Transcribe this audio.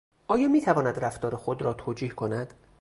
آیا میتواند رفتار خود را توجیه کند؟